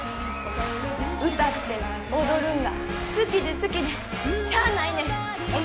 歌って踊るんが好きで好きでしゃあないねん。